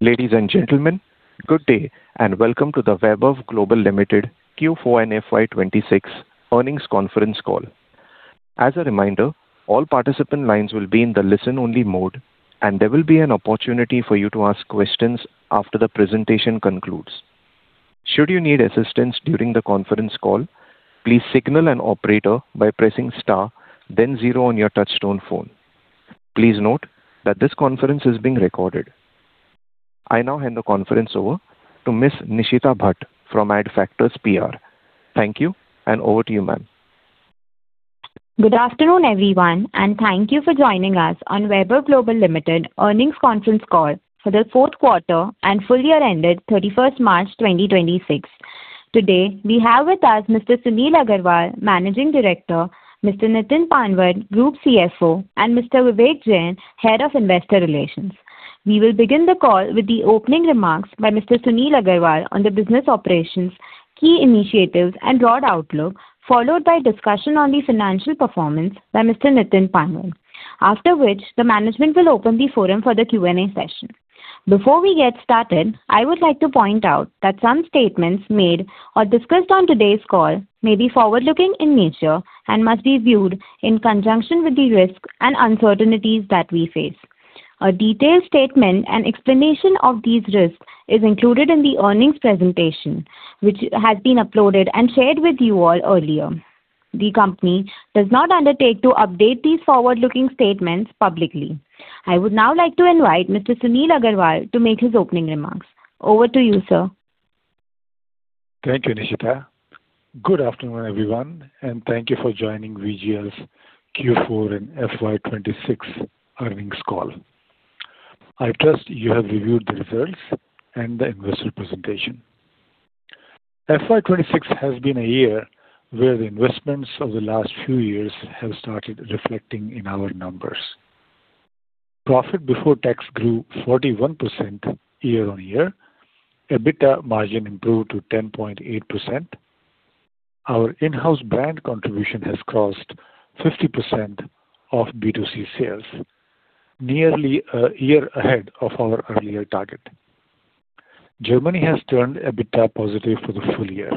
Ladies and gentlemen, good day and welcome to the Vaibhav Global Limited Q4 and FY 2026 Earnings Conference Call. As a reminder, all participant lines will be in the listen-only mode, and there will be an opportunity for you to ask questions after the presentation concludes. Should you need assistance during the conference call, please signal an operator by pressing star then zero on your touch-tone phone. Please note that this conference is being recorded. I now hand the conference over to Ms. Nishita Bhatt from Adfactors PR. Thank you, and over to you, ma'am. Good afternoon, everyone, and thank you for joining us on Vaibhav Global Limited earnings conference call for the fourth quarter and full year ended 31st March 2026. Today, we have with us Mr. Sunil Agrawal, Managing Director, Mr. Nitin Panwad, Group CFO, and Mr. Vivek Jain, Head of Investor Relations. We will begin the call with the opening remarks by Mr. Sunil Agrawal on the business operations, key initiatives, and broad outlook, followed by discussion on the financial performance by Mr. Nitin Panwad. After which, the management will open the forum for the Q&A session. Before we get started, I would like to point out that some statements made or discussed on today's call may be forward-looking in nature and must be viewed in conjunction with the risks and uncertainties that we face. A detailed statement and explanation of these risks is included in the earnings presentation, which has been uploaded and shared with you all earlier. The company does not undertake to update these forward-looking statements publicly. I would now like to invite Mr. Sunil Agrawal to make his opening remarks. Over to you, sir. Thank you, Nishita. Good afternoon, everyone, and thank you for joining VGL's Q4 and FY 2026 earnings call. I trust you have reviewed the results and the investor presentation. FY 2026 has been a year where the investments over the last few years have started reflecting in our numbers. Profit before tax grew 41% year-on-year. EBITDA margin improved to 10.8%. Our in-house brand contribution has crossed 50% of B2C sales, nearly a year ahead of our earlier target. Germany has turned EBITDA positive for the full year.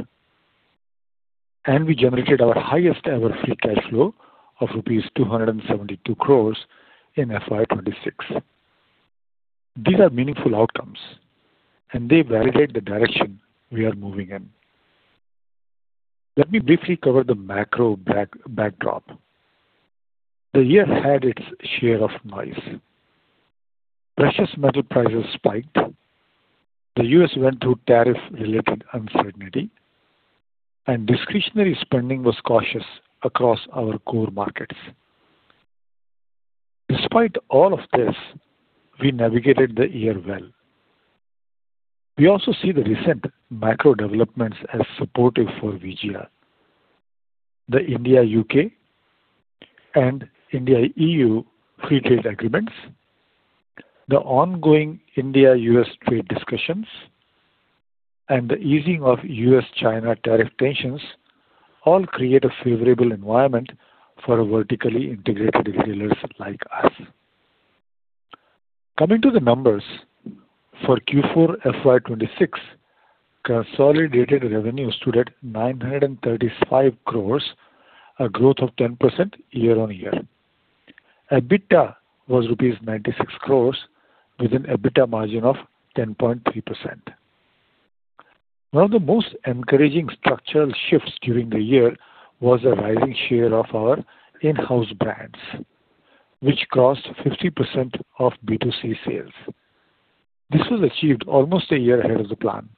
We generated our highest-ever free cash flow of rupees 272 crore in FY 2026. These are meaningful outcomes, and they validate the direction we are moving in. Let me briefly cover the macro backdrop. The year had its share of noise. Precious metal prices spiked, the U.S. went through tariff-related uncertainty, and discretionary spending was cautious across our core markets. Despite all of this, we navigated the year well. We also see the recent macro developments as supportive for VGL. The India-U.K. and India-E.U. free trade agreements, the ongoing India-U.S. trade discussions, and the easing of U.S.-China tariff tensions all create a favorable environment for vertically integrated retailers like us. Coming to the numbers. For Q4 FY 2026, consolidated revenue stood at 935 crores, a growth of 10% year-on-year. EBITDA was rupees 96 crores with an EBITDA margin of 10.3%. One of the most encouraging structural shifts during the year was a rising share of our in-house brands, which crossed 50% of B2C sales. This was achieved almost a year ahead of the plan.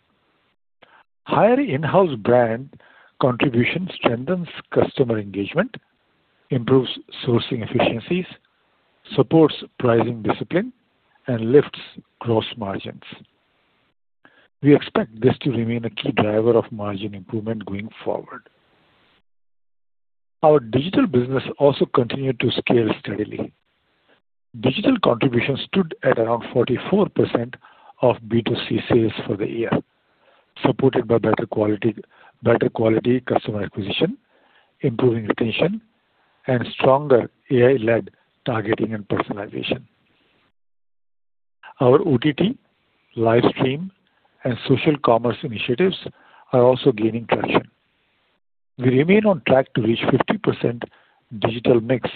Higher in-house brand contribution strengthens customer engagement, improves sourcing efficiencies, supports pricing discipline, and lifts gross margins. We expect this to remain a key driver of margin improvement going forward. Our digital business also continued to scale steadily. Digital contribution stood at around 44% of B2C sales for the year, supported by better quality customer acquisition, improving retention, and stronger AI-led targeting and personalization. Our OTT, livestream, and social commerce initiatives are also gaining traction. We remain on track to reach 50% digital mix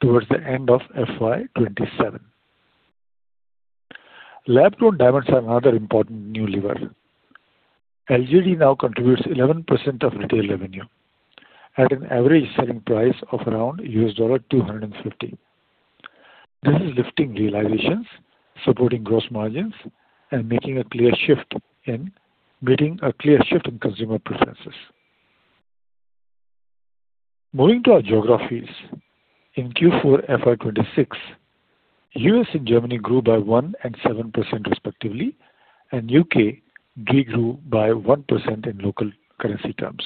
towards the end of FY 2027. Lab-grown diamonds are another important new lever. LGD now contributes 11% of retail revenue at an average selling price of around $250. This is lifting realizations, supporting gross margins, and meeting a clear shift in consumer preferences. Moving to our geographies. In Q4 FY 2026, U.S. and Germany grew by 1% and 7%, respectively, and U.K. did grew by 1% in local currency terms,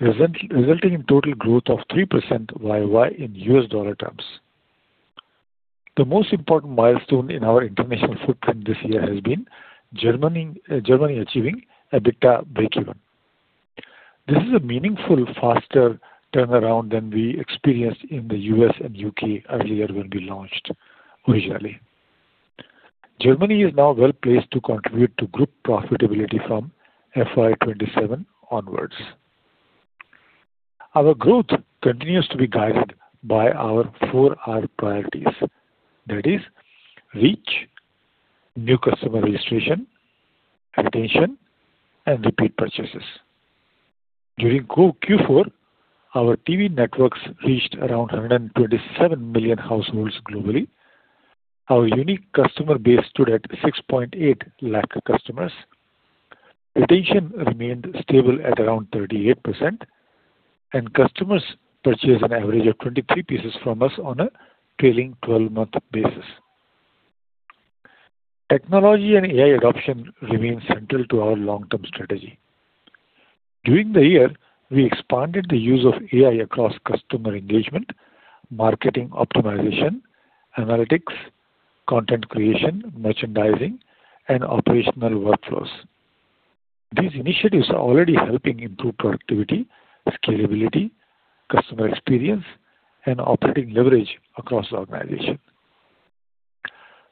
resulting in total growth of 3% year-over-year in U.S. dollar terms. The most important milestone in our international footprint this year has been Germany achieving EBITDA breakeven. This is a meaningful, faster turnaround than we experienced in the U.S. and U.K. earlier when we launched originally. Germany is now well-placed to contribute to group profitability from FY 2027 onwards. Our growth continues to be guided by our 4R priorities. That is, reach, new customer registration, retention, and repeat purchases. During Q4, our TV networks reached around 127 million households globally. Our unique customer base stood at 6.8 lakh customers. Retention remained stable at around 38%, and customers purchased an average of 23 pieces from us on a trailing 12-month basis. Technology and AI adoption remains central to our long-term strategy. During the year, we expanded the use of AI across customer engagement, marketing optimization, analytics, content creation, merchandising, and operational workflows. These initiatives are already helping improve productivity, scalability, customer experience, and operating leverage across the organization.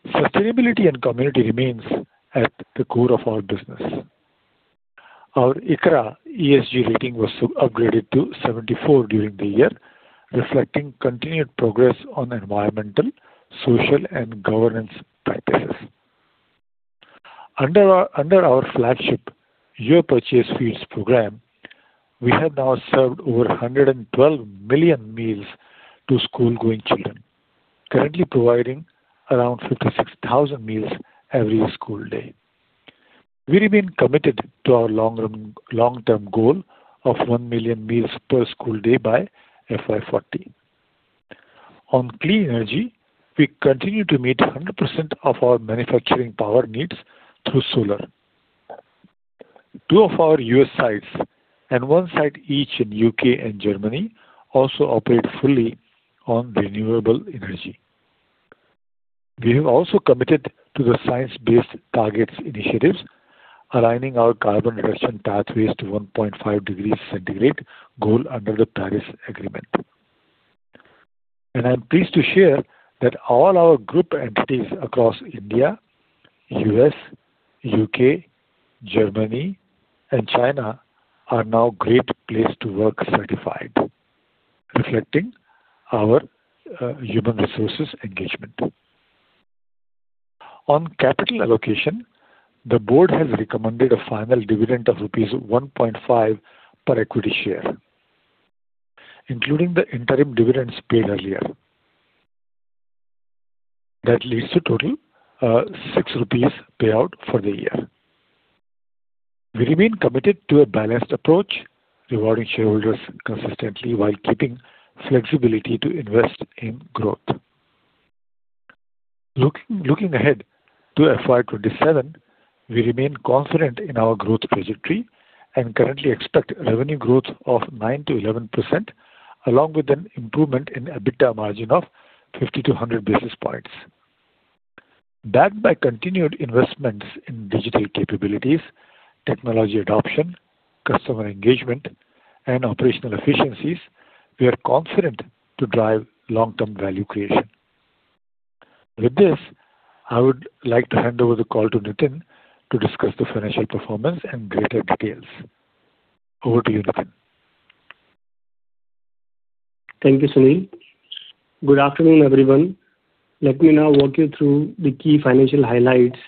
Sustainability and community remains at the core of our business. Our ICRA ESG rating was upgraded to 74 during the year, reflecting continued progress on environmental, social, and governance practices. Under our flagship Your Purchase Feeds program, we have now served over 112 million meals to school-going children, currently providing around 56,000 meals every school day. We remain committed to our long-term goal of 1 million meals per school day by FY 2040. On clean energy, we continue to meet 100% of our manufacturing power needs through solar. Two of our U.S. sites and one site each in U.K. and Germany also operate fully on renewable energy. We have also committed to the Science Based Targets initiative, aligning our carbon reduction pathways to 1.5 degrees centigrade goal under the Paris Agreement. I'm pleased to share that all our group entities across India, U.S., U.K., Germany, and China are now Great Place to Work certified, reflecting our human resources engagement. On capital allocation, the Board has recommended a final dividend of rupees 1.5 per equity share, including the interim dividends paid earlier. That leads to total 6 rupees payout for the year. We remain committed to a balanced approach, rewarding shareholders consistently while keeping flexibility to invest in growth. Looking ahead to FY 2027, we remain confident in our growth trajectory and currently expect revenue growth of 9%-11%, along with an improvement in EBITDA margin of 50-100 basis points. Backed by continued investments in digital capabilities, technology adoption, customer engagement, and operational efficiencies, we are confident to drive long-term value creation. With this, I would like to hand over the call to Nitin to discuss the financial performance in greater details. Over to you, Nitin. Thank you, Sunil. Good afternoon, everyone. Let me now walk you through the key financial highlights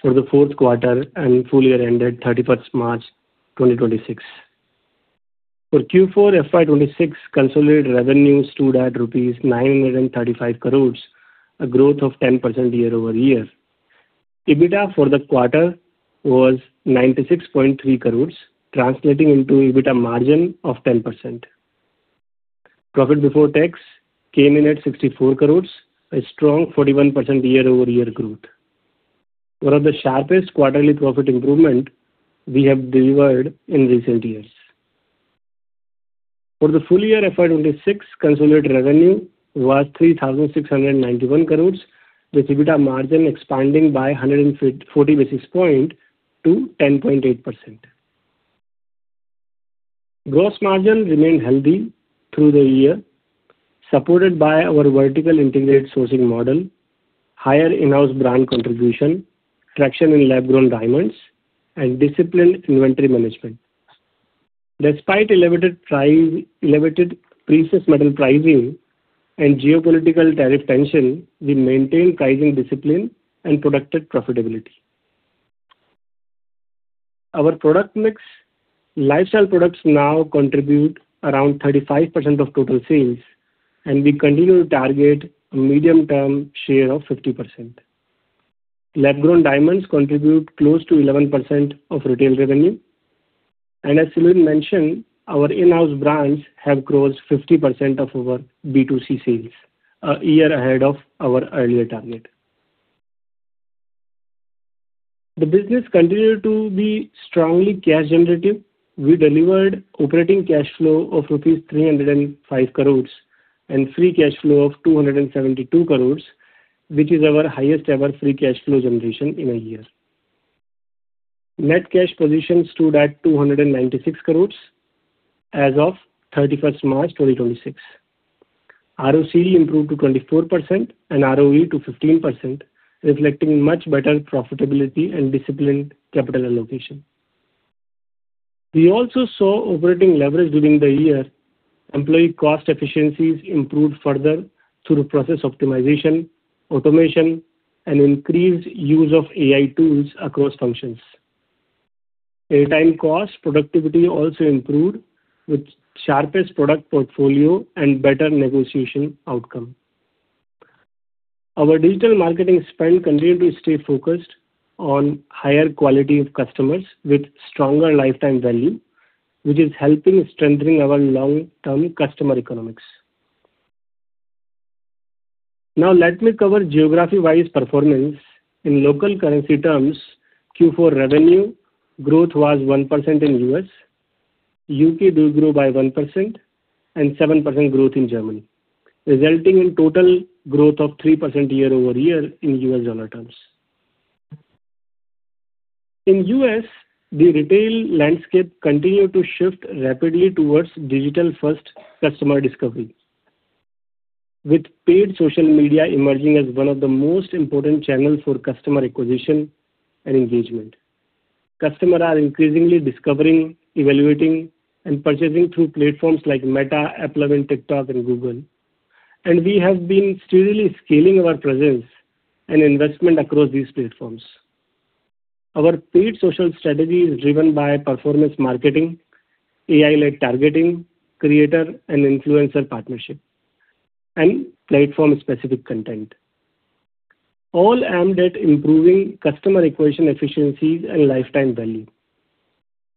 for the fourth quarter and full year ended 31st March 2026. For Q4 FY 2026, consolidated revenue stood at rupees 935 crores, a growth of 10% year-over-year. EBITDA for the quarter was 96.3 crores, translating into EBITDA margin of 10%. Profit before tax came in at 64 crores, a strong 41% year-over-year growth. One of the sharpest quarterly profit improvement we have delivered in recent years. For the full year FY 2026, consolidated revenue was 3,691 crores, with EBITDA margin expanding by 140 basis points to 10.8%. Gross margin remained healthy through the year, supported by our vertical integrated sourcing model, higher in-house brand contribution, traction in lab-grown diamonds, and disciplined inventory management. Despite elevated precious metal pricing and geopolitical tariff tension, we maintained pricing discipline and protected profitability. Our product mix, lifestyle products now contribute around 35% of total sales, and we continue to target a medium-term share of 50%. Lab-grown diamonds contribute close to 11% of retail revenue. As Sunil mentioned, our in-house brands have crossed 50% of our B2C sales, a year ahead of our earlier target. The business continued to be strongly cash generative. We delivered operating cash flow of rupees 305 crores and free cash flow of 272 crores, which is our highest-ever free cash flow generation in a year. Net cash position stood at 296 crores as of 31st March 2026. ROCE improved to 24% and ROE to 15%, reflecting much better profitability and disciplined capital allocation. We also saw operating leverage during the year. Employee cost efficiencies improved further through process optimization, automation, and increased use of AI tools across functions. Airtime cost productivity also improved with the sharpest product portfolio and better negotiation outcome. Our digital marketing spend continued to stay focused on higher quality of customers with stronger lifetime value, which is helping strengthen our long-term customer economics. Now let me cover geography-wise performance. In local currency terms, Q4 revenue growth was 1% in the U.S., U.K. did grow by 1%, and 7% growth in Germany, resulting in total growth of 3% year-over-year in U.S. dollar terms. In the U.S., the retail landscape continued to shift rapidly towards digital-first customer discovery, with paid social media emerging as one of the most important channels for customer acquisition and engagement. Customers are increasingly discovering, evaluating, and purchasing through platforms like Meta, Apple, and TikTok, and Google. We have been steadily scaling our presence and investment across these platforms. Our paid social strategy is driven by performance marketing, AI-led targeting, creator and influencer partnership, and platform-specific content, all aimed at improving customer acquisition efficiencies and lifetime value.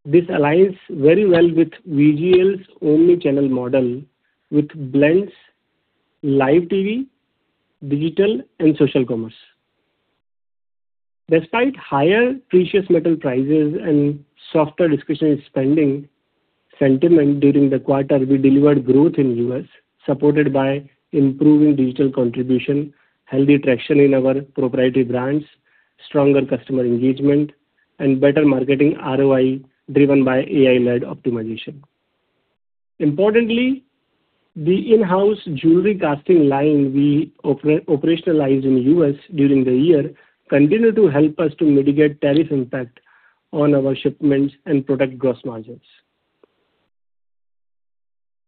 This aligns very well with VGL's omni-channel model, which blends live TV, digital, and social commerce. Despite higher precious metal prices and softer discretionary spending sentiment during the quarter, we delivered growth in the U.S., supported by improving digital contribution, healthy traction in our proprietary brands, stronger customer engagement, and better marketing ROI driven by AI-led optimization. Importantly, the in-house jewelry casting line we operationalized in the U.S. during the year continued to help us to mitigate tariff impact on our shipments and protect gross margins.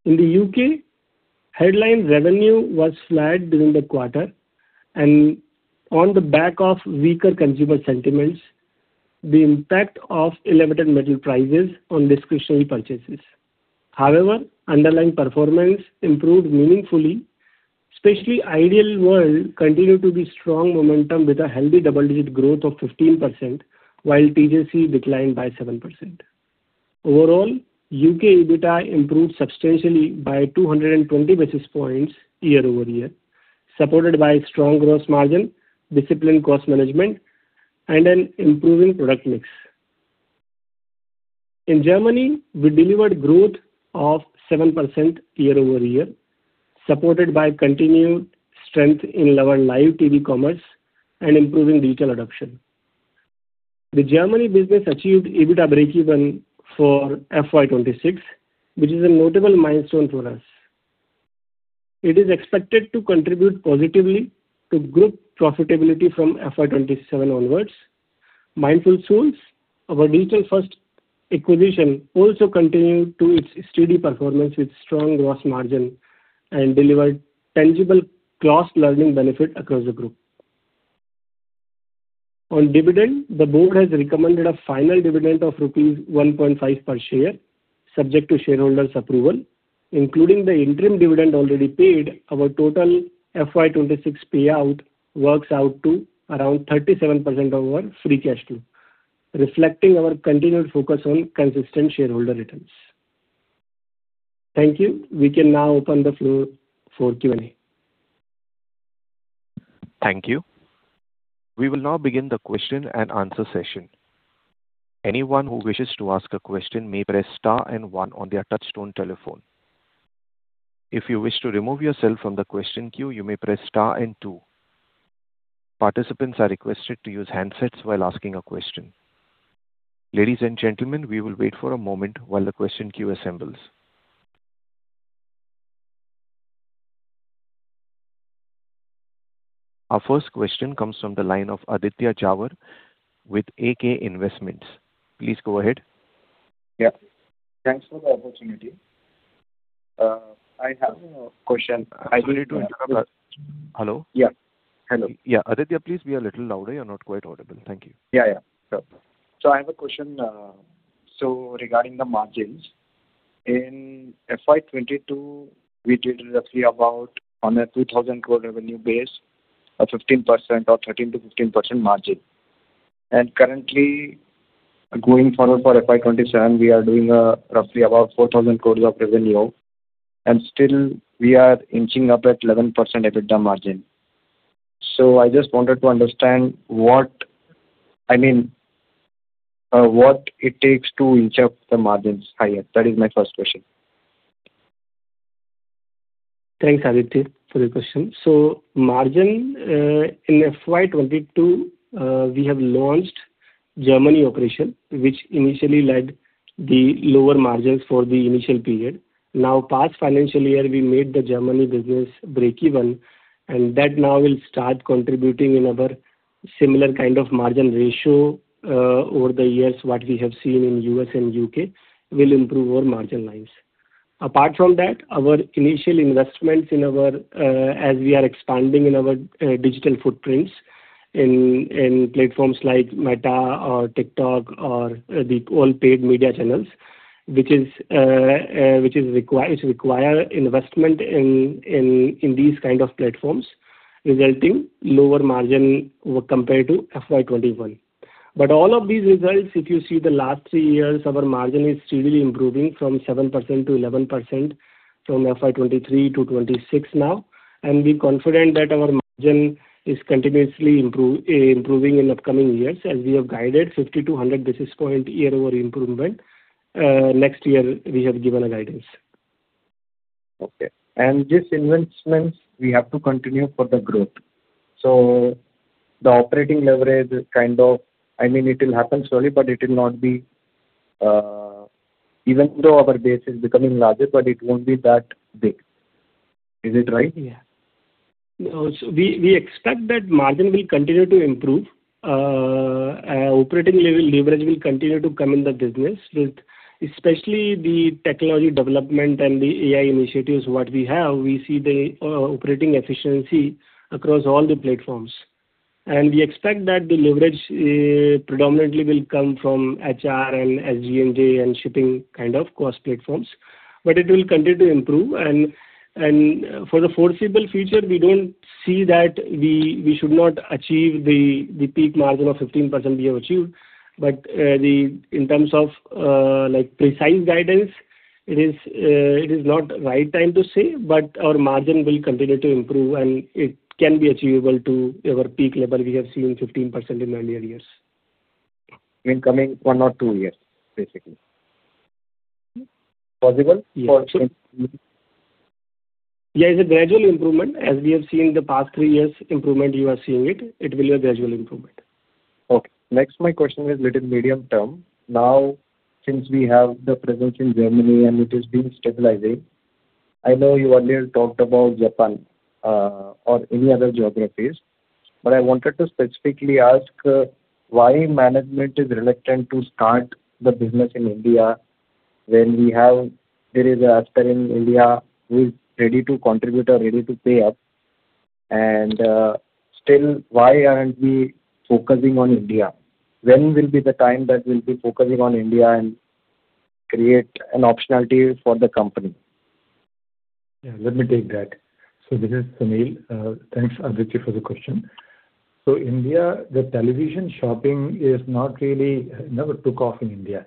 In the U.K., headline revenue was flat during the quarter, and on the back of weaker consumer sentiments, the impact of elevated metal prices on discretionary purchases. However, underlying performance improved meaningfully, especially Ideal World continued to its strong momentum with a healthy double-digit growth of 15%, while TJC declined by 7%. Overall, U.K. EBITDA improved substantially by 220 basis points year-over-year, supported by strong gross margin, disciplined cost management, and an improving product mix. In Germany, we delivered growth of 7% year-over-year, supported by continued strength in our live TV commerce and improving digital adoption. The Germany business achieved EBITDA breakeven for FY 2026, which is a notable milestone for us. It is expected to contribute positively to group profitability from FY 2027 onwards. Mindful Souls, our digital-first acquisition, also continued to its steady performance with strong gross margin and delivered tangible cross-learning benefit across the group. On dividend, the Board has recommended a final dividend of rupees 1.5 per share, subject to shareholders' approval. Including the interim dividend already paid, our total FY 2026 payout works out to around 37% of our free cash flow, reflecting our continued focus on consistent shareholder returns. Thank you. We can now open the floor for Q&A. Thank you. We will now begin the question-and-answer session. Anyone who wishes to ask a question may press star and one on their touch-tone telephone. If you wish to remove yourself from the question queue, you may press star and two. Participants are requested to use handsets while asking a question. Ladies and gentlemen, we will wait for a moment while the question queue assembles. Our first question comes from the line of Aditya Jhawar with AK Investments. Please go ahead. Yeah. Thanks for the opportunity. I have a question. We need to interrupt. Hello? Yeah. Hello. Yeah. Aditya, please be a little louder. You're not quite audible. Thank you. Yeah. Sure. I have a question. Regarding the margins, in FY 2022, we did roughly about on a 3,000 crore revenue base, a 15% or 13%-15% margin. Currently, going forward for FY 2027, we are doing roughly about 4,000 crores of revenue, and still we are inching up at 11% EBITDA margin. I just wanted to understand what it takes to inch up the margins higher. That is my first question. Thanks, Aditya, for your question. Margin, in FY 2022, we have launched Germany operation, which initially led the lower margins for the initial period. Now past financial year, we made the Germany business breakeven, and that now will start contributing in our similar kind of margin ratio over the years, what we have seen in U.S. and U.K. will improve our margin lines. Apart from that, our initial investments as we are expanding in our digital footprints in platforms like Meta or TikTok or all paid media channels, which require investment in these kind of platforms, resulting lower margin compared to FY 2021. All of these results, if you see the last three years, our margin is steadily improving from 7% to 11%, from FY 2023 to FY 2026 now. We're confident that our margin is continuously improving in upcoming years, as we have guided 50-100 basis point year-over-year improvement. Next year, we have given a guidance. Okay. These investments we have to continue for the growth. The operating leverage is kind of, it will happen slowly, even though our base is becoming larger, but it won't be that big. Is it right? Yeah. We expect that margin will continue to improve. Operating leverage will continue to come in the business with especially the technology development and the AI initiatives, what we have, we see the operating efficiency across all the platforms. We expect that the leverage predominantly will come from HR and SG&A and shipping kind of cost platforms. But it will continue to improve and for the foreseeable future, we don't see that we should not achieve the peak margin of 15% we have achieved. But in terms of precise guidance, it is not right time to say, but our margin will continue to improve, and it can be achievable to our peak level we have seen 15% in earlier years. In coming one or two years, basically. Possible. Yeah. It's a gradual improvement as we have seen in the past three years' improvement, you are seeing it will be a gradual improvement. Okay. Next, my question is little medium-term. Since we have the presence in Germany and it is being stabilizing, I know you earlier talked about Japan or any other geographies, but I wanted to specifically ask why management is reluctant to start the business in India when there is a hunger in India who is ready to contribute or ready to pay up. Still why aren't we focusing on India? When will be the time that we'll be focusing on India and create an optionality for the company? Yeah, let me take that. This is Sunil. Thanks, Aditya, for the question. India, the television shopping never took off in India.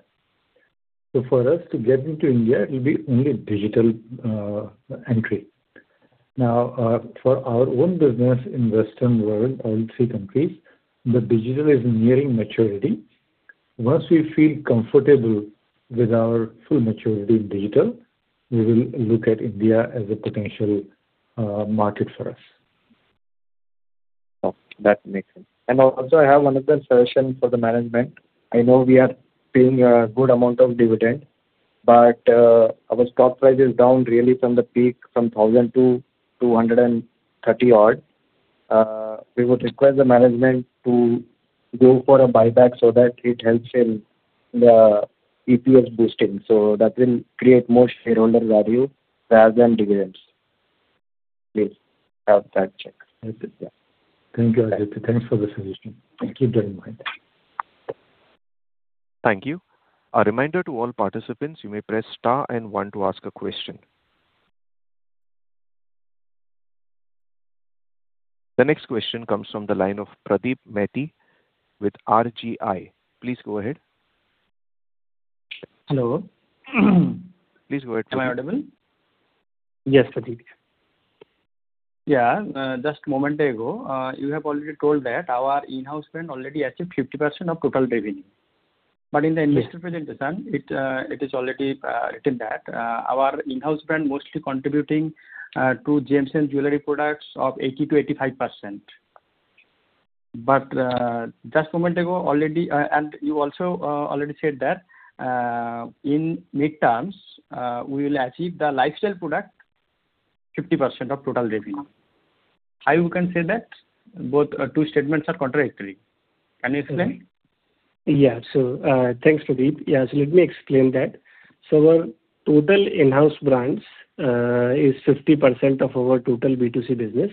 For us to get into India, it will be only digital entry. Now, for our own business in Western world, all three countries, the digital is nearing maturity. Once we feel comfortable with our full maturity in digital, we will look at India as a potential market for us. Okay, that makes sense. Also, I have one other suggestion for the management. I know we are paying a good amount of dividend, but our stock price is down really from the peak from 1,000 to 230 odd. We would request the management to go for a buyback so that it helps in the EPS boosting. That will create more shareholder value rather than dividends. Please have that check. Thank you, Aditya. Thanks for the suggestion. We'll keep that in mind. Thank you. A reminder to all participants, you may press star and one to ask a question. The next question comes from the line of Pradeep Maiti with RGI. Please go ahead. Hello. Please go ahead. Am I audible? Yes, Pradeep. Just a moment ago, you have already told that our in-house brand already achieved 50% of total revenue. In the investor presentation, it is already written that our in-house brand mostly contributing to gems and jewelry products of 80%-85%. You also already said that in mid terms, we will achieve the lifestyle product 50% of total revenue. How you can say that? Both two statements are contradictory. Can you explain? Yeah. Thanks, Pradeep. Yeah. Let me explain that. Our total in-house brands is 50% of our total B2C business.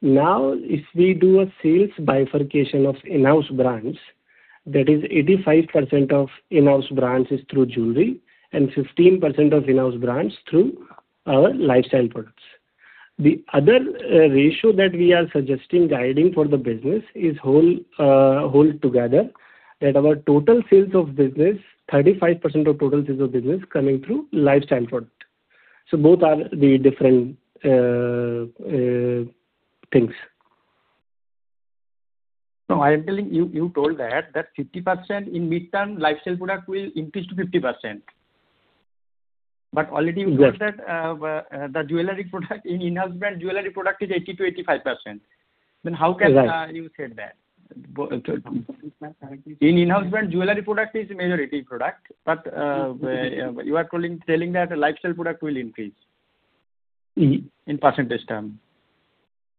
If we do a sales bifurcation of in-house brands, that is 85% of in-house brands is through jewelry and 15% of in-house brands through our lifestyle products. The other ratio that we are suggesting guiding for the business is whole together, that our total sales of business, 35% of total sales of business coming through lifestyle product. Both are the different things. I am telling, you told that 50% in midterm lifestyle product will increase to 50%. Already you said that the jewelry product in in-house brand, jewelry product is 80%-85%. How can you say that? In in-house brand, jewelry product is a majority product, but you are saying that lifestyle product will increase in percentage term.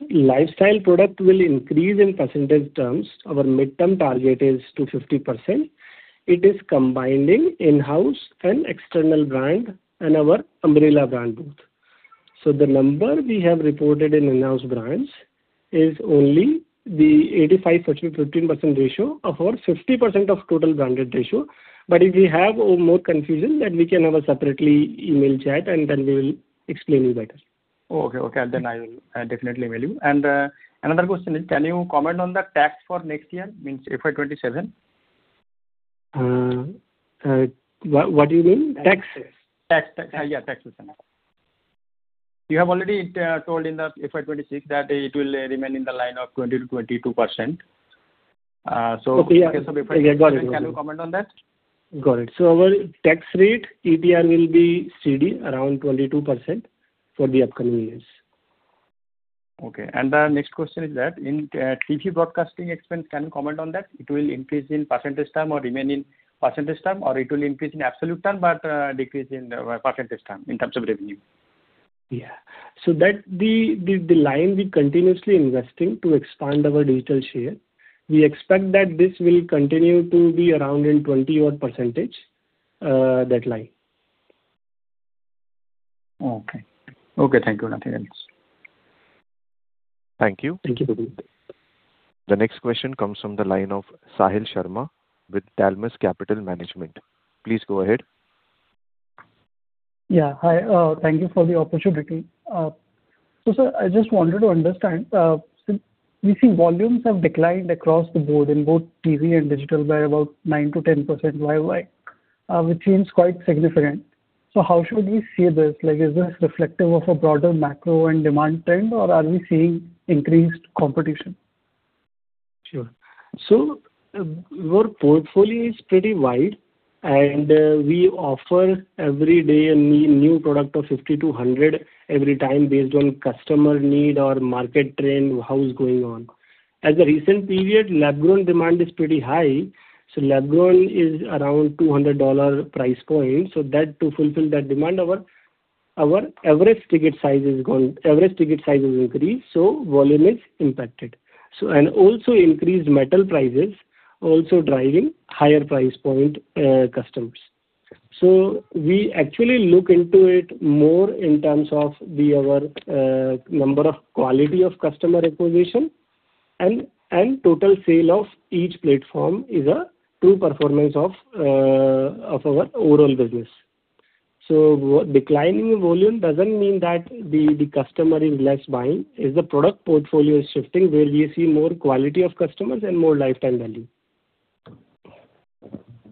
Lifestyle product will increase in percentage terms. Our midterm target is to 50%. It is combining in-house and external brand and our umbrella brand both. The number we have reported in in-house brands is only the 85%-15% ratio of our 50% of total branded ratio. If we have more confusion, then we can have a separately email chat, and then we will explain you better. Okay. I will definitely mail you. Another question is, can you comment on the tax for next year, means FY 2027? What do you mean? Tax? Tax. Yeah, tax question. You have already told in the FY 2026 that it will remain in the line of 20%-22%. In case of FY 2027? Yeah, got it. Can you comment on that? Got it. Our tax rate, ETR will be steady around 22% for the upcoming years. Okay. The next question is that in TV broadcasting expense, can you comment on that? It will increase in percentage term or remain in percentage term, or it will increase in absolute term but decrease in percentage term in terms of revenue? Yeah. The line we continuously investing to expand our digital share. We expect that this will continue to be around in 20 odd percentage, that line. Okay. Thank you. Nothing else. Thank you. Thank you, Pradeep. The next question comes from the line of Sahil Sharma with Dalmus Capital Management. Please go ahead. Yeah. Hi. Thank you for the opportunity. Sir, I just wanted to understand, since we see volumes have declined across the board, in both TV and digital by about 9%-10% YoY, which seems quite significant. How should we see this? Is this reflective of a broader macro and demand trend, or are we seeing increased competition? Sure. Our portfolio is pretty wide, and we offer every day a new product of 50-100 every time based on customer need or market trend how is going on. As a recent period, lab grown demand is pretty high. Lab grown is around $200 price point. To fulfill that demand, our average ticket size has increased, so volume is impacted. Also increased metal prices also driving higher price point customers. We actually look into it more in terms of our number of quality of customer acquisition and total sale of each platform is a true performance of our overall business. Declining volume doesn't mean that the customer is less buying. As the product portfolio is shifting, where we see more quality of customers and more lifetime value.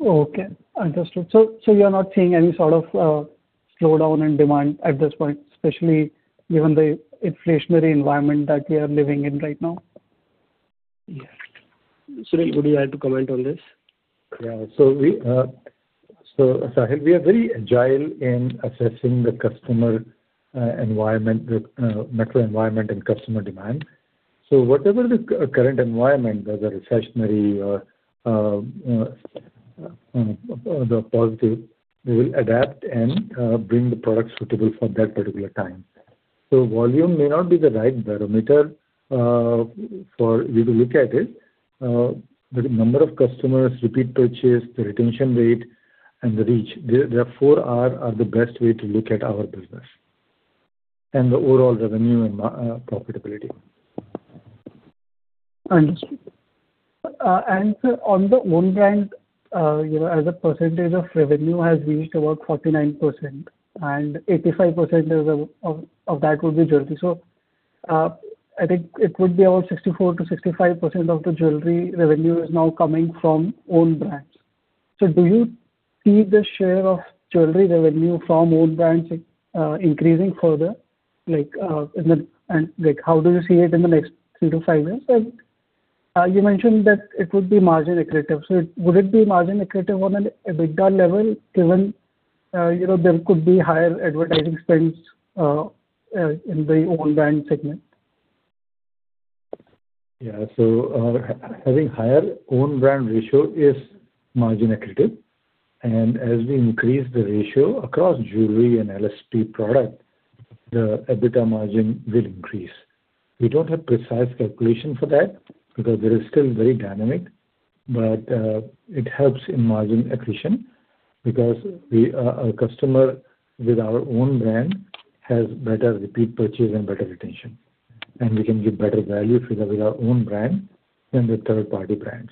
Okay, understood. You're not seeing any sort of slowdown in demand at this point, especially given the inflationary environment that we are living in right now? Yeah. Sunil, would you like to comment on this? Yeah. Sahil, we are very agile in assessing the customer environment, the macro environment and customer demand. Whatever the current environment, whether recessionary or positive, we will adapt and bring the products suitable for that particular time. Volume may not be the right barometer for you to look at it. Number of customers, repeat purchase, the retention rate and the reach, therefore are the best way to look at our business and the overall revenue and profitability. Understood. Sir, on the own brand, as a percentage of revenue has reached about 49%, and 85% of that would be jewelry. I think it would be around 64%-65% of the jewelry revenue is now coming from own brands. Do you see the share of jewelry revenue from own brands increasing further? How do you see it in the next three to five years? You mentioned that it would be margin accretive. Would it be margin accretive on an EBITDA level, given there could be higher advertising spends in the own brand segment? Having higher own brand ratio is margin accretive. As we increase the ratio across jewelry and LSP product, the EBITDA margin will increase. We don't have precise calculation for that because that is still very dynamic, but it helps in margin accretion because our customer with our own brand has better repeat purchase and better retention. We can give better value through our own brand than the third-party brands.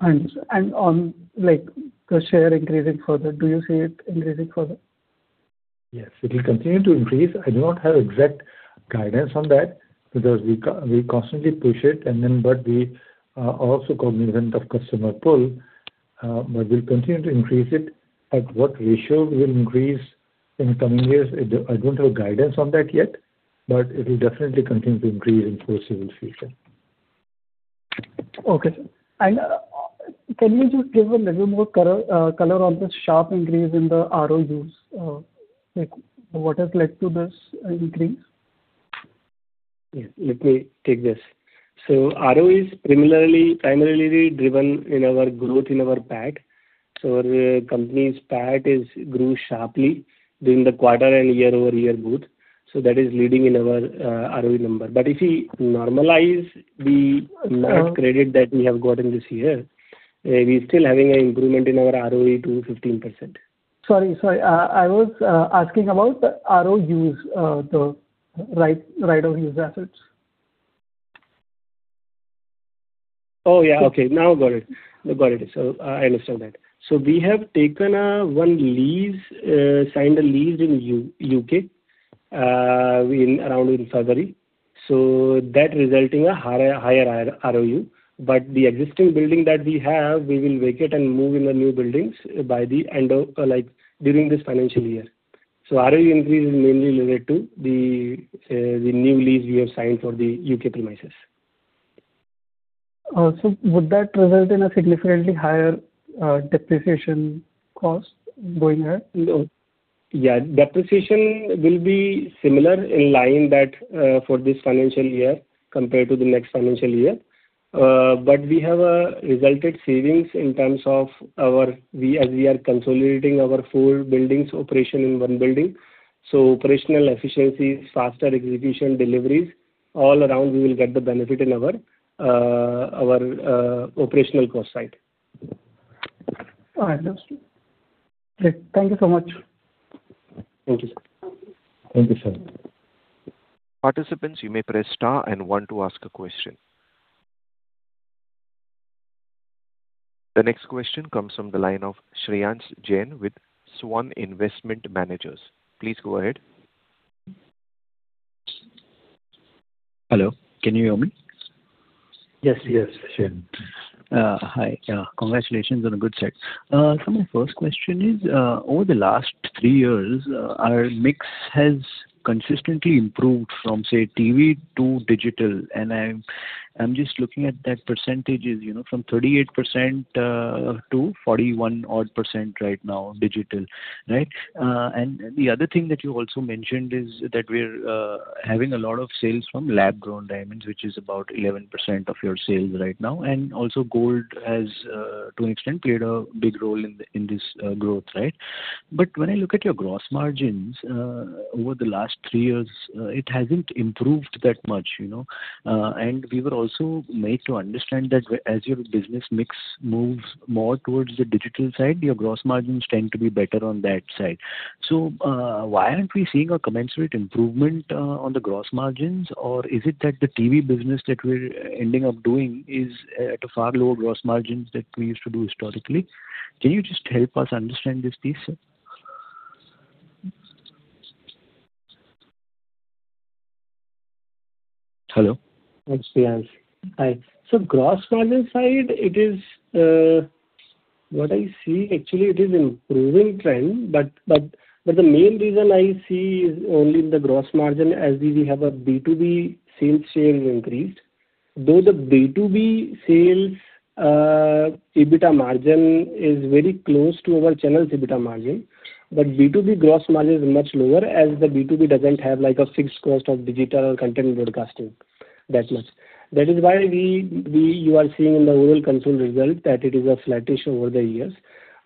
On the share increasing further, do you see it increasing further? Yes. It will continue to increase. I do not have exact guidance on that because we constantly push it, but we are also cognizant of customer pull. We'll continue to increase it. At what ratio we will increase. In the coming years. I don't have guidance on that yet, but it will definitely continue to increase in foreseeable future. Okay, sir. Can you just give a little more color on the sharp increase in the ROUs? Like what has led to this increase? Yes, let me take this. ROEs is primarily driven in our growth in our PAT. Our company's PAT grew sharply during the quarter and year-over-year both. That is leading in our ROE number. If we normalize the credit that we have got in this year, we're still having an improvement in our ROE to 15%. Sorry. I was asking about the ROUs, the Right of Use assets. Oh, yeah. Okay, now I got it. I understand that. We have taken one lease, signed a lease in U.K. around in February. That resulting a higher ROU. The existing building that we have, we will vacate and move in the new buildings by the end of during this financial year. ROU increase is mainly related to the new lease we have signed for the U.K. premises. Would that result in a significantly higher depreciation cost going ahead? Depreciation will be similar in line that for this financial year compared to the next financial year. We have a resulted savings in terms of our, as we are consolidating our four buildings operation in one building. Operational efficiencies, faster execution deliveries, all around we will get the benefit in our operational cost side. I understand. Great. Thank you so much. Thank you, Sahil. Thank you, Sahil. Participants, you may press star and one to ask a question. The next question comes from the line of Shreyans Jain with Svan Investment Managers. Please go ahead. Hello, can you hear me? Yes, Shreyans. Hi. Congratulations on a good set. Sir, my first question is, over the last three years, our mix has consistently improved from, say, TV to digital. I'm just looking at that percentage is from 38% to 41 odd percent right now digital. Right. The other thing that you also mentioned is that we're having a lot of sales from lab-grown diamonds, which is about 11% of your sales right now. Also gold has, to an extent, played a big role in this growth, right? When I look at your gross margins, over the last three years, it hasn't improved that much. We were also made to understand that as your business mix moves more towards the digital side, your gross margins tend to be better on that side. Why aren't we seeing a commensurate improvement on the gross margins? Is it that the TV business that we're ending up doing is at a far lower gross margin that we used to do historically? Can you just help us understand this piece, sir? Hello. Shreyans, hi. Gross margin side, what I see, actually it is improving trend. The main reason I see is only the gross margin as we have a B2B sales share increased. Though the B2B sale EBITDA margin is very close to our channel's EBITDA margin. B2B gross margin is much lower as the B2B doesn't have like a fixed cost of digital content broadcasting that much. That is why you are seeing in the overall consumer result that it is a flattish over the years.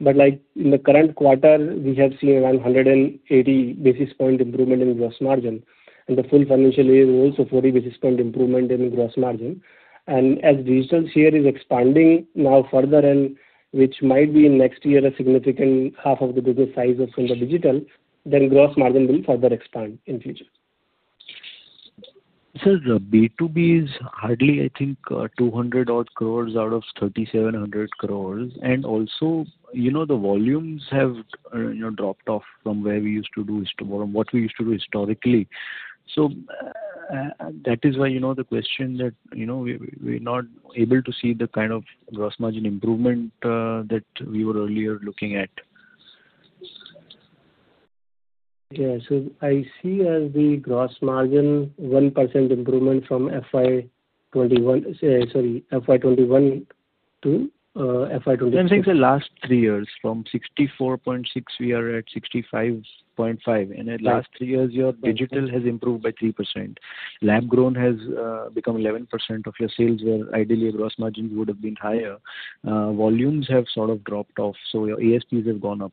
Like in the current quarter, we have seen around 180 basis point improvement in gross margin. In the full financial year, also 40 basis point improvement in gross margin. As digital share is expanding now further and which might be in next year a significant half of the business size from the digital, then gross margin will further expand in future. Sir, B2B is hardly, I think, 200 odd crores out of 3,700 crores. The volumes have dropped off from what we used to do historically. That is why the question that we're not able to see the kind of gross margin improvement that we were earlier looking at. Yeah. I see as the gross margin 1% improvement from FY 2021 to FY 2026. I'm saying the last three years. From 64.6% we are at 65.5%. At last three years, your digital has improved by 3%. Lab-grown has become 11% of your sales where ideally your gross margin would have been higher. Volumes have sort of dropped off, so your ASPs have gone up.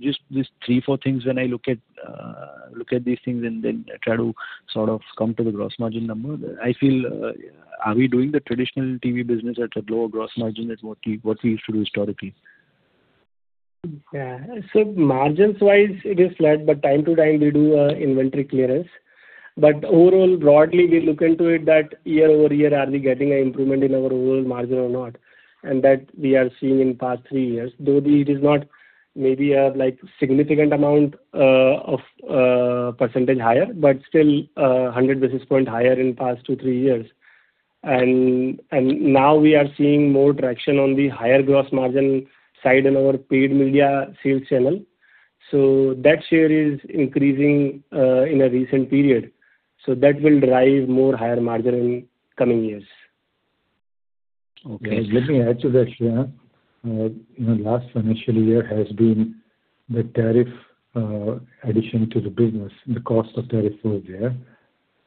Just these three, four things when I look at these things and then try to sort of come to the gross margin number, I feel are we doing the traditional TV business at a lower gross margin at what we used to do historically? Yeah. Margins-wise, it is flat, but time to time we do inventory clearance. Overall, broadly, we look into it that year-over-year are we getting an improvement in our overall margin or not. That we are seeing in past three years. Though it is not maybe a significant amount of percentage higher, but still 100 basis points higher in past two, three years. Now we are seeing more traction on the higher gross margin side in our paid media sales channel. That share is increasing in a recent period. That will drive more higher margin in coming years. Okay. Let me add to that, Shreyans. In the last financial year has been the tariff addition to the business, the cost of tariff was there.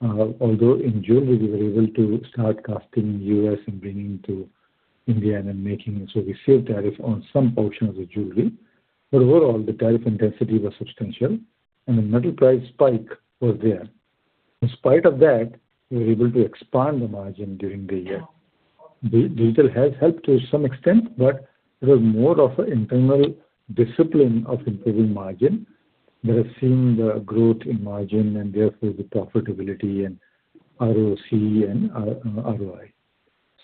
Although in June we were able to start casting in U.S. and bringing to India and then making it, we saved tariff on some portion of the jewelry. Overall, the tariff intensity was substantial, and the metal price spike was there. In spite of that, we were able to expand the margin during the year. Digital has helped to some extent, but it was more of an internal discipline of improving margin that has seen the growth in margin and therefore the profitability and ROC and ROI.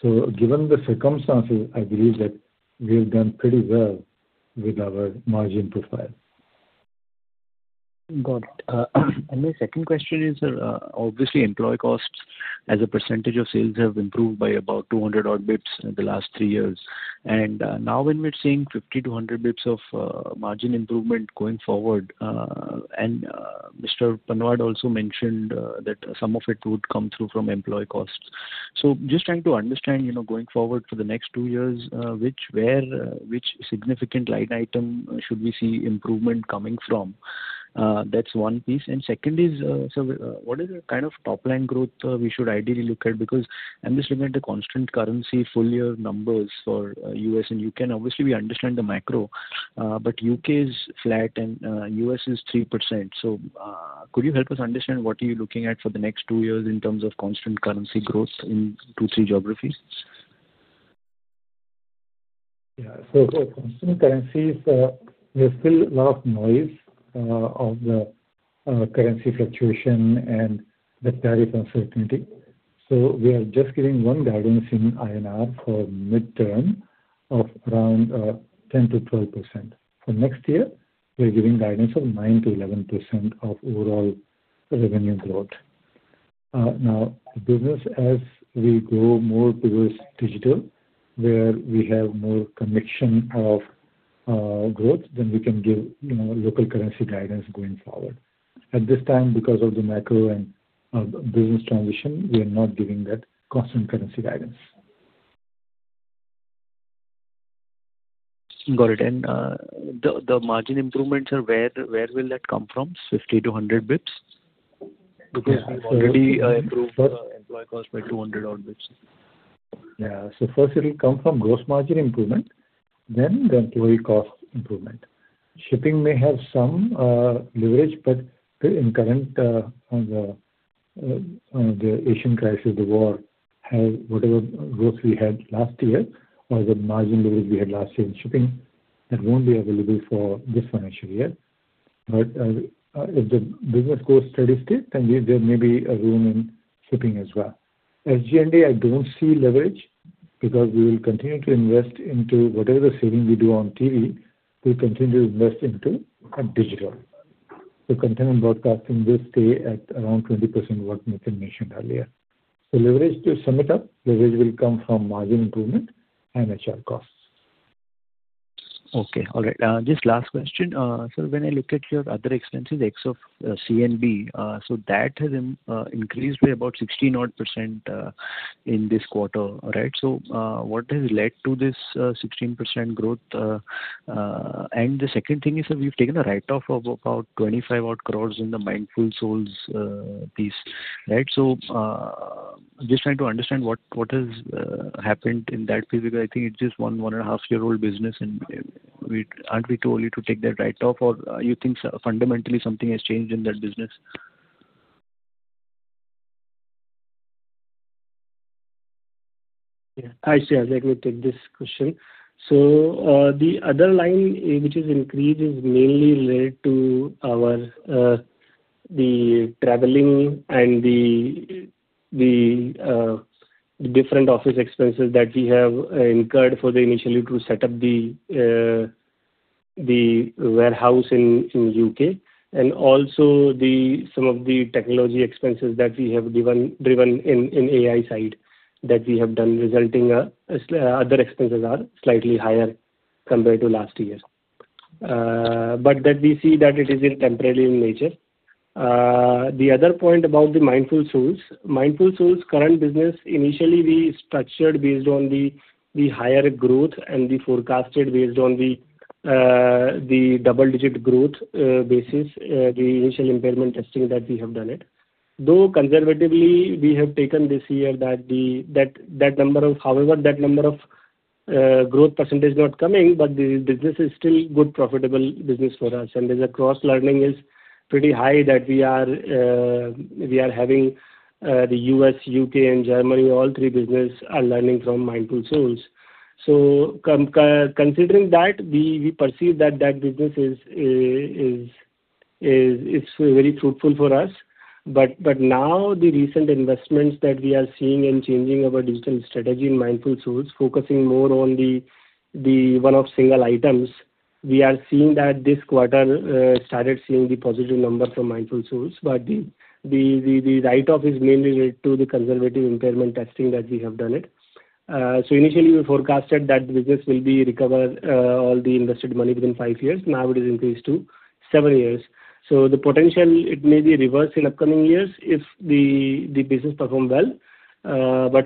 Given the circumstances, I believe that we have done pretty well with our margin profile. Got it. My second question is, obviously employee costs as a percentage of sales have improved by about 200 odd basis points in the last three years. Now when we're seeing 50-100 basis points of margin improvement going forward, Mr. Panwad also mentioned that some of it would come through from employee costs. Just trying to understand, going forward for the next two years, which significant line item should we see improvement coming from? That's one piece. Second is, what is the kind of top-line growth we should ideally look at? Because I'm just looking at the constant currency full-year numbers for U.S. and U.K. Obviously, we understand the macro. But U.K. is flat and U.S. is 3%. Could you help us understand what you're looking at for the next two years in terms of constant currency growth in two, three geographies? Yeah. For constant currencies, there's still a lot of noise of the currency fluctuation and the tariff uncertainty. We are just giving one guidance in INR for midterm of around 10%-12%. For next year, we're giving guidance of 9%-11% of overall revenue growth. Business, as we grow more towards digital, where we have more conviction of growth, then we can give local currency guidance going forward. At this time, because of the macro and business transition, we are not giving that constant currency guidance. Got it. The margin improvements, where will that come from, 50-100 basis points? Yeah. We've already improved employee cost by 200 odd basis points. Yeah. First it will come from gross margin improvement, then the employee cost improvement. Shipping may have some leverage, but in current on the Asian crisis, the war, whatever growth we had last year or the margin leverage we had last year in shipping, that won't be available for this financial year. If the business goes steady state, then there may be a room in shipping as well. Generally, I don't see leverage because we will continue to invest into whatever the saving we do on TV, we'll continue to invest into digital. The content and broadcasting will stay at around 20%, what Nitin mentioned earlier. Leverage, to sum it up, leverage will come from margin improvement and HR costs. Okay. All right. Just last question. Sir, when I look at your other expenses, ex of C&B, that has increased by about 16 odd percent in this quarter, right? What has led to this 16% growth? The second thing is that we've taken a write-off of about 25 odd crore in the Mindful Souls piece, right? Just trying to understand what has happened in that piece, because I think it's just one, one and a half-year-old business, and aren't we too early to take that write-off, or you think fundamentally something has changed in that business? Yeah. I see. I'd like to take this question. The other line which is increased is mainly related to the traveling and the different office expenses that we have incurred for initially to set up the warehouse in U.K. Also some of the technology expenses that we have driven in AI side that we have done, resulting other expenses are slightly higher compared to last year. That we see that it is temporary in nature. The other point about the Mindful Souls. Mindful Souls current business, initially we structured based on the higher growth and we forecasted based on the double-digit growth basis, the initial impairment testing that we have done it. Though conservatively, we have taken this year that however, that number of growth percentage is not coming, but the business is still good profitable business for us. There's a cross-learning is pretty high that we are having the U.S., U.K., and Germany, all three business are learning from Mindful Souls. Considering that, we perceive that business it's very fruitful for us. Now the recent investments that we are seeing in changing our digital strategy in Mindful Souls, focusing more on the one of single items. We are seeing that this quarter started seeing the positive numbers from Mindful Souls, but the write-off is mainly related to the conservative impairment testing that we have done it. Initially, we forecasted that the business will be recovered, all the invested money within five years. Now it has increased to seven years. The potential, it may be reversed in upcoming years if the business performs well.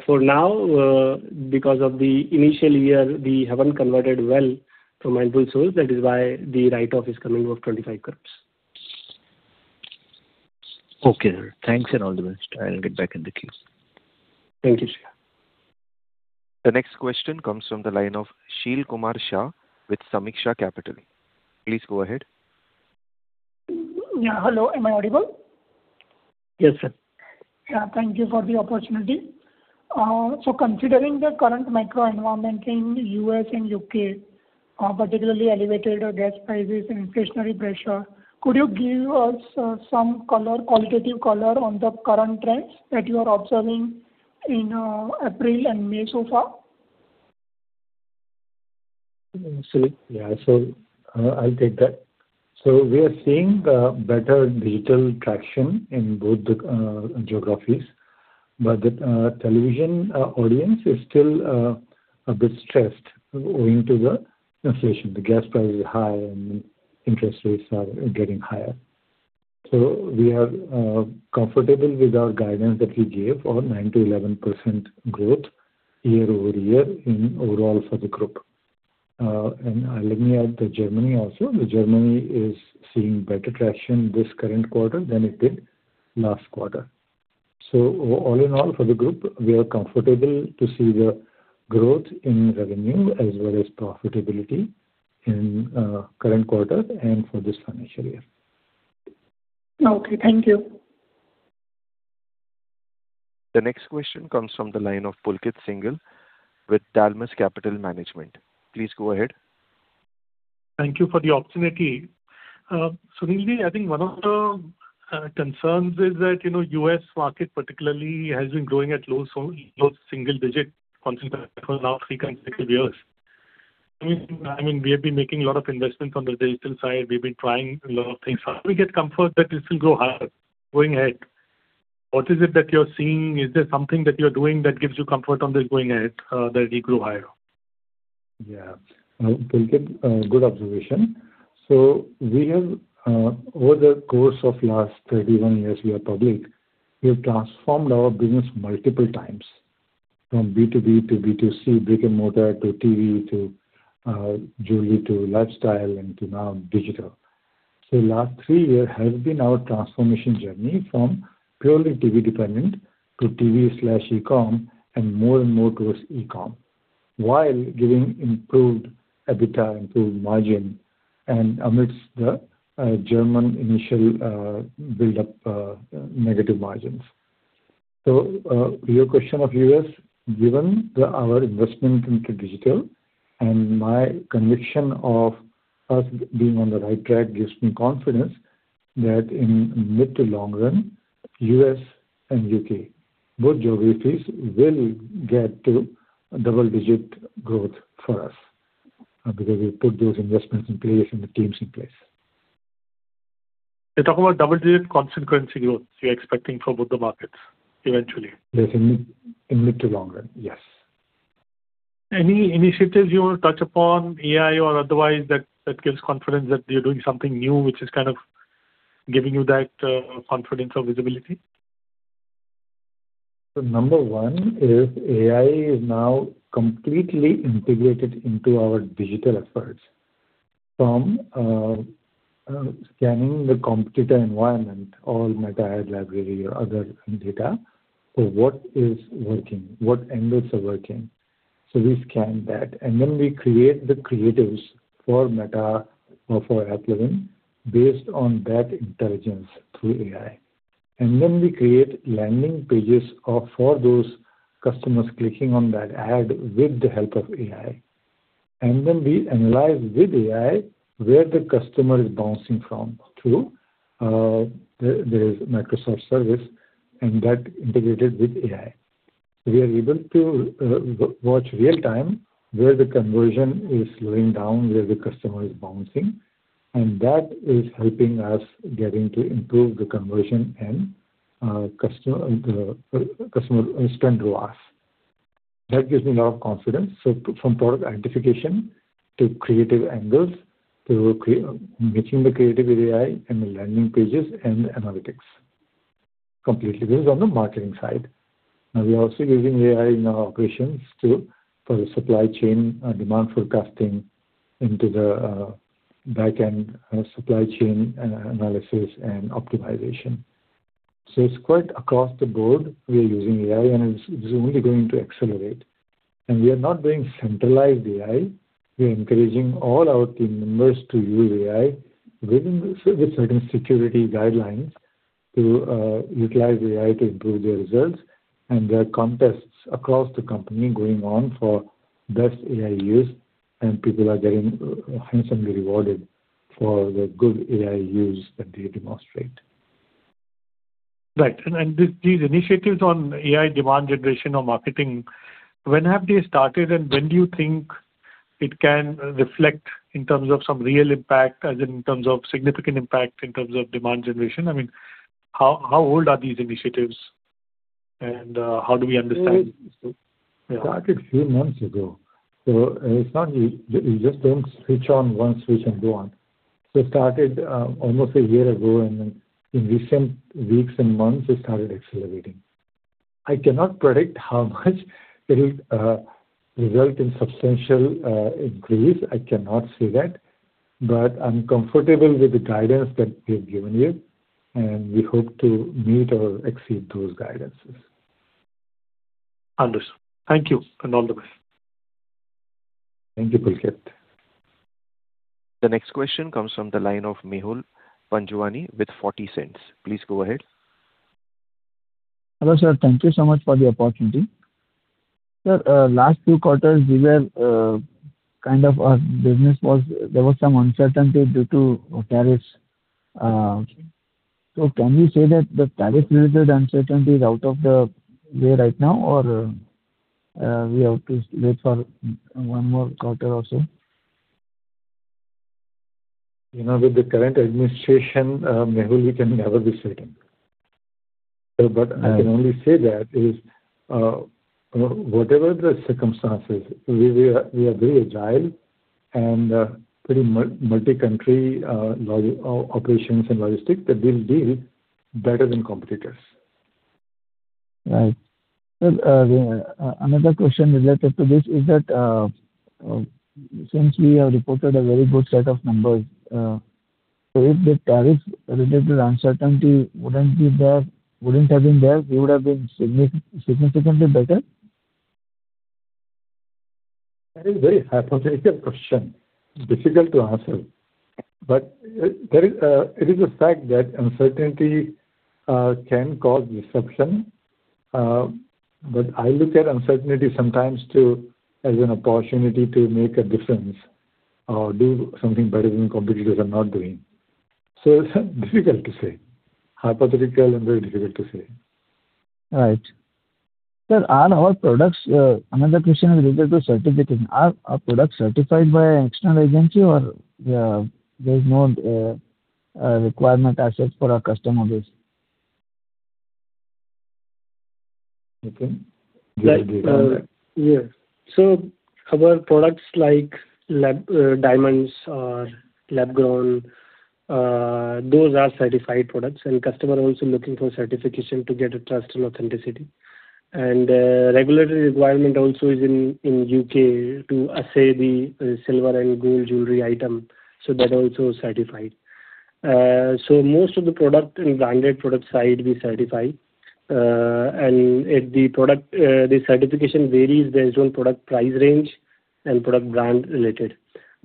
For now, because of the initial year, we haven't converted well from Mindful Souls. That is why the write-off is coming of 25 crores. Okay, sir. Thanks and all the best. I will get back in the queue. Thank you, sir. The next question comes from the line of Sheel Kumar Shah with Sameeksha Capital. Please go ahead. Yeah. Hello, am I audible? Yes, sir. Yeah, thank you for the opportunity. Considering the current macro environment in U.S. and U.K., particularly elevated gas prices and inflationary pressure, could you give us some qualitative color on the current trends that you are observing in April and May so far? Sure. I'll take that. We are seeing better digital traction in both the geographies, but the television audience is still a bit stressed owing to the inflation. The gas price is high, and interest rates are getting higher. We are comfortable with our guidance that we gave of 9%-11% growth year-over-year in overall for the group. Let me add the Germany also. The Germany is seeing better traction this current quarter than it did last quarter. All in all for the group, we are comfortable to see the growth in revenue as well as profitability in current quarter and for this financial year. Okay. Thank you. The next question comes from the line of Pulkit Singhal with Dalmus Capital Management. Please go ahead. Thank you for the opportunity. Sunilji, I think one of the concerns is that U.S. market particularly has been growing at low single digit constantly for now three consecutive years. We have been making a lot of investments on the digital side. We've been trying a lot of things. How do we get comfort that this will grow higher going ahead? What is it that you're seeing? Is there something that you're doing that gives you comfort on this going ahead, that it'll grow higher? Yeah. Pulkit, good observation. Over the course of last 31 years we are public, we have transformed our business multiple times, from B2B to B2C, brick-and-mortar to TV, to jewelry, to lifestyle, and to now digital. Last three years has been our transformation journey from purely TV-dependent to TV/e-com and more and more towards e-com, while giving improved EBITDA, improved margin, and amidst the German initial build-up negative margins. To your question of U.S., given our investment into digital and my conviction of us being on the right track gives me confidence that in mid to long run, U.S. and U.K., both geographies will get to double-digit growth for us, because we put those investments in place and the teams in place. You're talking about double-digit consecutive growth you're expecting for both the markets eventually? Yes, in mid to long run. Yes. Any initiatives you want to touch upon, AI or otherwise, that gives confidence that you are doing something new, which is kind of giving you that confidence or visibility? Number one is AI is now completely integrated into our digital efforts. From scanning the competitor environment, all Meta ad library or other data. What is working? What angles are working? We scan that, and then we create the creatives for Meta or for AppLovin based on that intelligence through AI. We create landing pages for those customers clicking on that ad with the help of AI. We analyze with AI where the customer is bouncing from through. There is Microsoft service and that integrated with AI. We are able to watch real-time where the conversion is slowing down, where the customer is bouncing, and that is helping us getting to improve the conversion and spend ROAS. That gives me a lot of confidence. From product identification to creative angles to making the creative AI and the landing pages and the analytics completely. This is on the marketing side. We are also using AI in our operations for the supply chain, demand forecasting into the back-end supply chain analysis and optimization. It's quite across the board we are using AI, and it's only going to accelerate. We are not doing centralized AI. We are encouraging all our team members to use AI with certain security guidelines to utilize AI to improve their results. There are contests across the company going on for best AI use, and people are getting handsomely rewarded for the good AI use that they demonstrate. Right. These initiatives on AI demand generation or marketing, when have they started, and when do you think it can reflect in terms of some real impact, as in terms of significant impact in terms of demand generation? How old are these initiatives and how do we understand? It started a few months ago. You just don't switch on one switch and go on. It started almost a year ago, and then in recent weeks and months, it started accelerating. I cannot predict how much it'll result in substantial increase. I cannot say that, but I'm comfortable with the guidance that we've given you, and we hope to meet or exceed those guidances. Understood. Thank you, and all the best. Thank you, Pulkit. The next question comes from the line of Mehul Panjwani with [Forty Cents]. Please go ahead. Hello, sir. Thank you so much for the opportunity. Sir, last two quarters, there was some uncertainty due to tariffs. Can we say that the tariff-related uncertainty is out of the way right now, or we have to wait for one more quarter or so? With the current administration, Mehul, we can never be certain. Sure. I can only say that is, whatever the circumstances, we are very agile and pretty multi-country operations and logistics that we'll be better than competitors. Right. Sir, another question related to this is that, since we have reported a very good set of numbers, if the tariff-related uncertainty wouldn't have been there, we would've been significantly better? That is very hypothetical question, difficult to answer. It is a fact that uncertainty can cause disruption. I look at uncertainty sometimes, too, as an opportunity to make a difference or do something better than competitors are not doing. It's difficult to say. Hypothetical and very difficult to say. All right. Another question is related to certification. Are our products certified by an external agency or there's no requirement as such for our customers? Nitin, do you want to take on that? Yes. Our products like lab diamonds or lab-grown, those are certified products, and customer also looking for certification to get a trust and authenticity. Regulatory requirement also is in U.K. to assay the silver and gold jewelry item, so that also is certified. Most of the product in branded product side, we certify. The certification varies based on product price range and product brand related.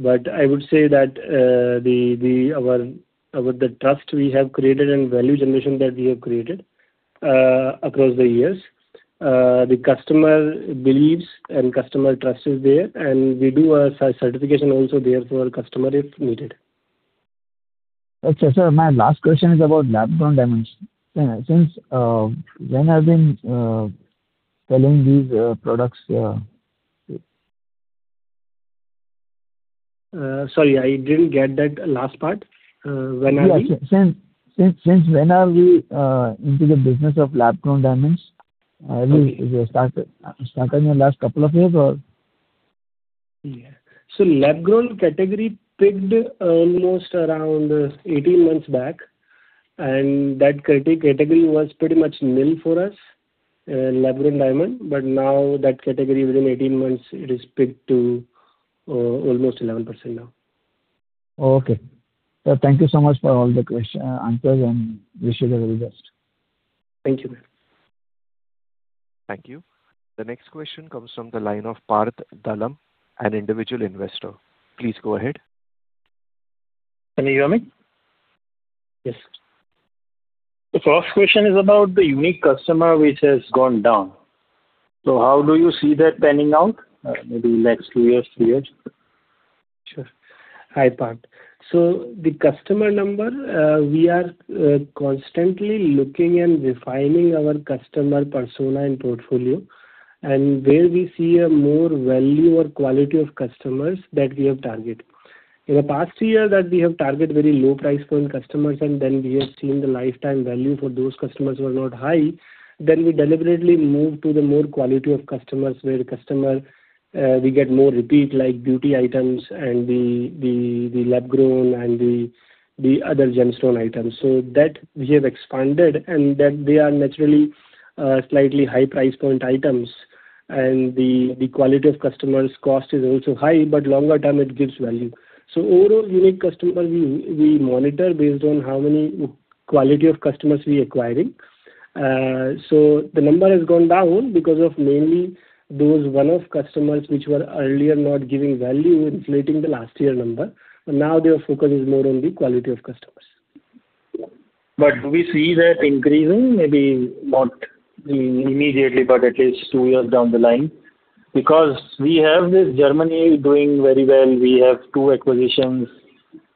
I would say that with the trust we have created and value generation that we have created across the years, the customer believes and customer trust is there, and we do a certification also there for our customer if needed. Okay. Sir, my last question is about lab-grown diamonds. Since when have been selling these products? Sorry, I didn't get that last part. Yeah, since when are we into the business of lab-grown diamonds? Okay. Is it started in the last couple of years or? Yeah. lab-grown category picked almost around 18 months back, and that category was pretty much nil for us, lab-grown diamond. Now that category within 18 months, it is picked to almost 11% now. Okay. Sir, thank you so much for all the answers, wish you the very best. Thank you. Thank you. The next question comes from the line of Parth Dalal, an individual investor. Please go ahead. Can you hear me? Yes. The first question is about the unique customer which has gone down. How do you see that panning out, maybe next two years, three years? Sure. Hi, Parth. The customer number, we are constantly looking and refining our customer persona and portfolio, and where we see a more value or quality of customers that we have targeted. In the past year that we have targeted very low price point customers, and we have seen the lifetime value for those customers were not high, we deliberately moved to the more quality of customers, where the customer we get more repeat, like beauty items and the lab-grown and the other gemstone items. That we have expanded, and they are naturally slightly high price point items. The quality of customers cost is also high, longer term, it gives value. Overall unique customer, we monitor based on how many quality of customers we acquiring. The number has gone down because of mainly those one-off customers which were earlier not giving value, inflating the last year number. Now their focus is more on the quality of customers. Do we see that increasing, maybe not immediately, but at least two years down the line? Because we have this Germany doing very well. We have two acquisitions.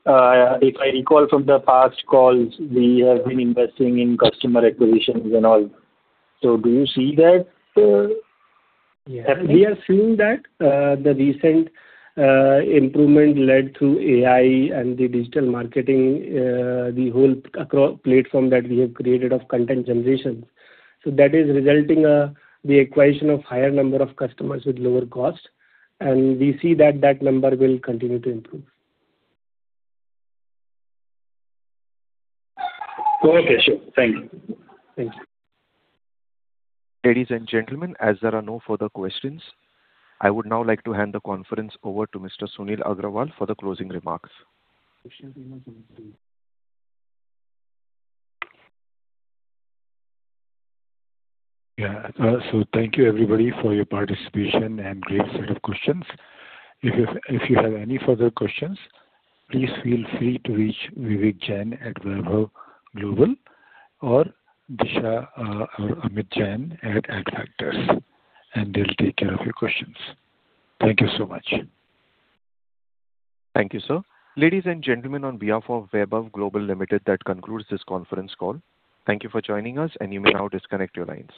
If I recall from the past calls, we have been investing in customer acquisitions and all. Do you see that happening? Yeah. We are seeing that the recent improvement led through AI and the digital marketing, the whole platform that we have created of content generation. That is resulting the acquisition of higher number of customers with lower cost, and we see that that number will continue to improve. Okay, sure. Thank you. Thank you. Ladies and gentlemen, as there are no further questions, I would now like to hand the conference over to Mr. Sunil Agrawal for the closing remarks. Thank you everybody for your participation and great set of questions. If you have any further questions, please feel free to reach Vivek Jain at Vaibhav Global or Disha or Amit Jain at Adfactors, and they'll take care of your questions. Thank you so much. Thank you, sir. Ladies and gentlemen, on behalf of Vaibhav Global Limited, that concludes this conference call. Thank you for joining us, and you may now disconnect your lines.